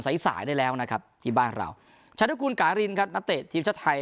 สายสายได้แล้วนะครับที่บ้านเราชานุกูลการินครับนักเตะทีมชาติไทย